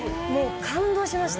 感動しました。